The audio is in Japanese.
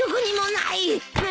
ない。